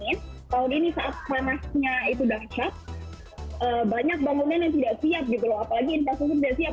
jadi tahun ini saat panasnya itu dahsyat banyak bangunan yang tidak siap gitu loh apalagi infrastruktur tidak siap